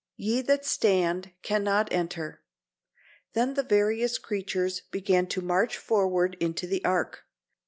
"Ye that stand cannot enter." Then the various creatures began to march forward into the Ark.